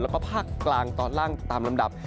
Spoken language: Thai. แล้วก็ภาคกลางตอนล่างตามลำดับ